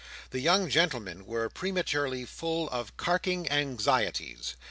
The young gentlemen were prematurely full of carking anxieties.